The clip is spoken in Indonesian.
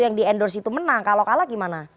yang di endorse itu menang kalau kalah gimana